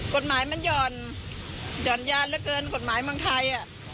กฎหมายมันหย่อนยานเหลือเกินกฎหมายเมืองไทย